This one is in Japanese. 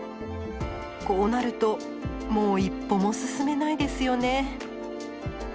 こうなるともう一歩も進めないですよね。